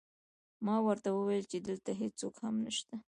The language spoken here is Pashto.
ما ورته وویل چې دلته هېڅوک هم نشته